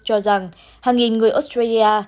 cho rằng hàng nghìn người australia